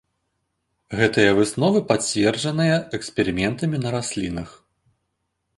Гэтыя высновы пацверджаныя эксперыментамі на раслінах.